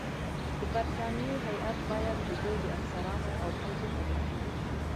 د برټانیې هیات باید د ده د افسرانو او خلکو په مخ کې.